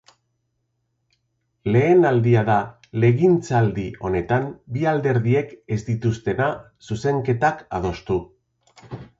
Lehen aldia da legintzaldi honetan bi alderdiek ez dituztena zuzenketak adostu.